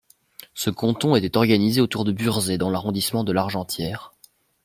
Ce canton était organisé autour de Burzet dans l'arrondissement de Largentière.